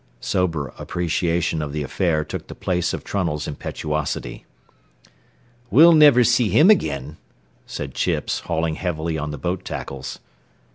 Sober appreciation of the affair took the place of Trunnell's impetuosity. "We'll niver see him agin," said Chips, hauling heavily on the boat tackles.